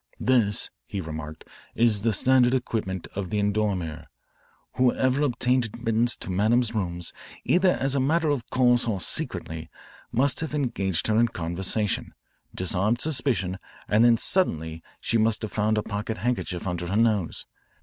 "This," he remarked, "is the standard equipment of the endormeur. Whoever obtained admittance to Madame's rooms, either as a matter of course or secretly, must have engaged her in conversation, disarmed suspicion, and then suddenly she must have found a pocket handkerchief under her nose.